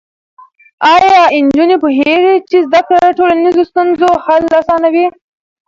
ایا نجونې پوهېږي چې زده کړه د ټولنیزو ستونزو حل اسانوي؟